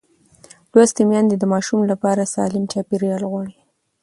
لوستې میندې د ماشوم لپاره سالم چاپېریال غواړي.